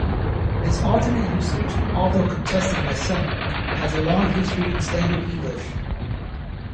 This alternate usage, although contested by some, has a long history in standard English.